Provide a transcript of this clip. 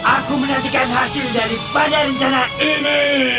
aku menantikan hasil dari pada rencana ini